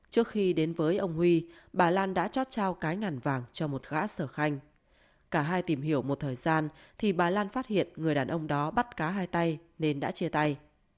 trước khi đến với ông huy bà lan đã chót trao cái ngàn vàng cho một gã sở khanh cả hai tìm hiểu một thời gian thì bà lan phát hiện người đàn ông đó bắt cá hai tay nên đã chia tay